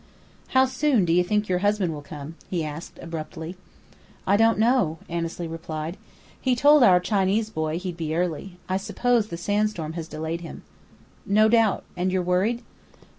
"How soon do you think your husband will come?" he asked, abruptly. "I don't know," Annesley replied. "He told our Chinese boy he'd be early. I suppose the sandstorm has delayed him." "No doubt.... And you're worried?"